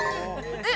えっ？